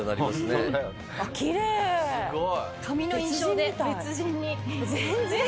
きれい！髪の印象で別人に。